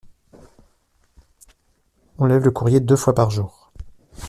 On lève le courrier deux fois par jour.